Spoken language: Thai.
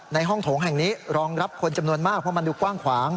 ในห้องโถงแห่งนี้รองรับคนจำนวนมากเพราะมันดูกว้างขวาง